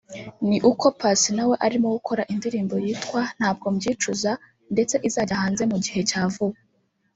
ni uko Paccy nawe arimo gukora indirimbo yitwa "Ntabwo mbyicuza" ndetse izajya hanze mu gihe cya vuba